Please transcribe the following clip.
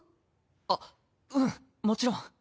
あっうんもちろん。